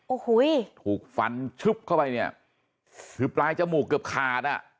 โอ้โหถูกฟันชึบเข้าไปเนี่ยคือปลายจมูกเกือบขาดอ่ะ